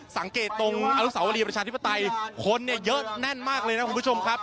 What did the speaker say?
สังเกตตรงอนุสาวรีประชาธิปไตยคนเนี่ยเยอะแน่นมากเลยนะคุณผู้ชมครับ